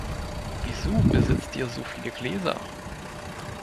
Wieso besitzt ihr so viele Gläser?